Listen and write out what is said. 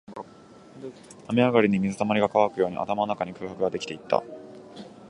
雨上がりに水溜りが乾くように、頭の中に空白ができていった